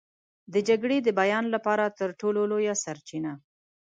د جګړې د بیان لپاره تر ټولو لویه سرچینه.